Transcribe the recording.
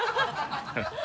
ハハハ